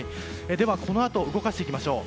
では、このあと動かしていきましょう。